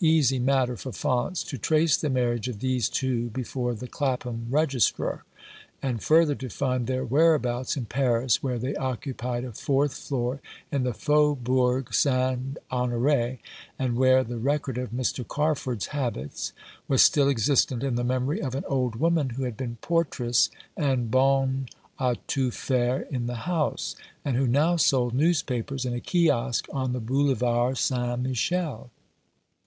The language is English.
easy matter for Faunce to trace the marriage of these two before the Clapham Registrar, and, further, to find their whereabouts in Paris, where they occupied a fourth floor in the Faubourg St. Honore, and where the record of Mr. Carford's habits was still existent in the memory of an old woman who had been portress and bonne a tont faire in the house, and who now sold newspapers in a kiosk on the Boulevard St. Michel.